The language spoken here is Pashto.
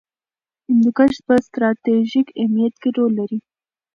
هندوکش په ستراتیژیک اهمیت کې رول لري.